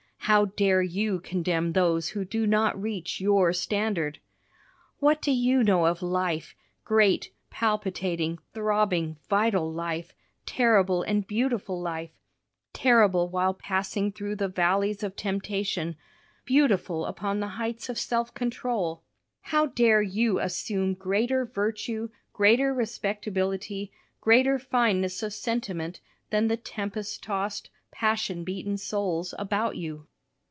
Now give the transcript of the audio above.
How dare you condemn those who do not reach your standard? What do you know of life, great, palpitating, throbbing, vital life, terrible and beautiful life, terrible while passing through the valleys of temptation, beautiful upon the heights of self control? How dare you assume greater virtue, greater respectability, greater fineness of sentiment, than the tempest tossed, passion beaten souls, about you?